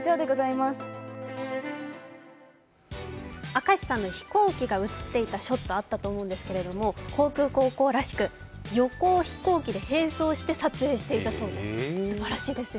明石さんの飛行機が映っていたショットがあったと思うんですけど航空高校らしく、横を飛行機で並走して撮影していたそうです。